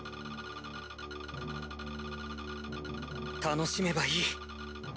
楽しめばいい